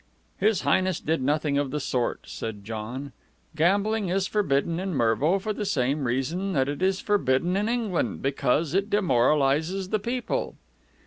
"His Highness did nothing of the sort," said John. "Gambling is forbidden in Mervo for the same reason that it is forbidden in England, because it demoralizes the people."